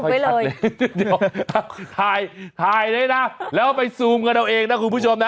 ไว้เลยเดี๋ยวถ่ายถ่ายไว้นะแล้วไปซูมกันเอาเองนะคุณผู้ชมนะ